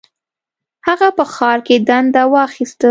هغه په ښار کې دنده واخیسته.